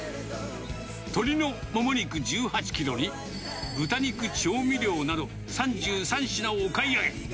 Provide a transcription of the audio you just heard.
鶏のもも肉１８キロに、豚肉、調味料など、３３品お買い上げ。